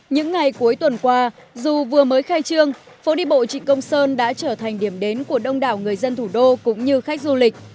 những ngày cuối tuần qua dù vừa mới khai trương phố đi bộ trịnh công sơn đã trở thành điểm đến của đông đảo người dân thủ đô cũng như khách du lịch